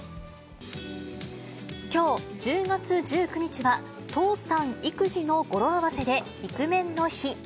きょう１０月１９日は、父さん育児の語呂合わせでイクメンの日。